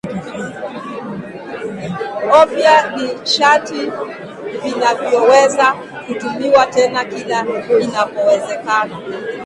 o vya nishati vinavyoweza kutumiwa tena kila inapowezekana